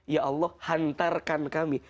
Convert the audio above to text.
ya allah hantarkan kami